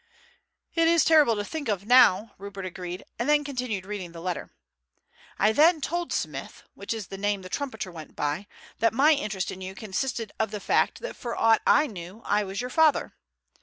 "It is terrible to think of now," Rupert agreed, and then continued reading the letter: "I then told Smith, which is the name the trumpeter went by, that my interest in you consisted of the fact that for aught I knew I was your father.